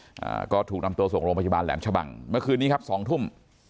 อ่าก็ถูกนำตัวส่งโรงพยาบาลแหลมชะบังเมื่อคืนนี้ครับสองทุ่ม